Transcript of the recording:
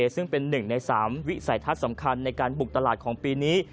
ซึ่งเป็น๑ใน๓วิสัยทัศน์สำคัญในการบุกตลาดของปีนี้